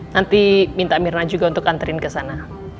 nanti minta mirna juga untuk nganterin ke sana